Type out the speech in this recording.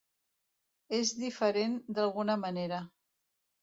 És diferent d'alguna manera.